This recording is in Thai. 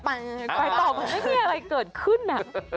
ไปตอบว่าไม่มีอะไรเกิดขึ้นน่ะ